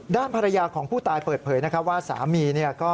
ด้านภรรยาของผู้ตายเปิดเผยว่าสามี